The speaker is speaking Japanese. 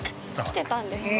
◆来てたんですか。